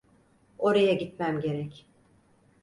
Oraya gitmem gerek.